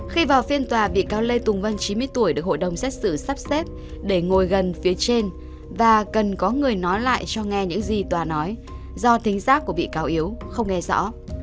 khi vào phiên tòa bị cáo lê tùng vân chín mươi tuổi được hội đồng xét xử sắp xếp để ngồi gần phía trên và cần có người nói lại cho nghe những gì tòa nói do tính giác của bị cáo yếu không nghe rõ